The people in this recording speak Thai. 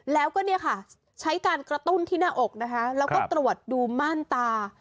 แล้วก็ใช้การกระตุ้นที่หน้าอกแล้วก็ตรวจดูม่านตา